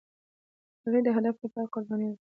سړی د هدف لپاره قرباني ورکوي